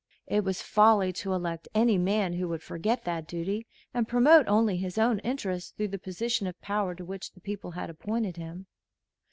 It was folly to elect any man who would forget that duty and promote only his own interests through the position of power to which the people had appointed him.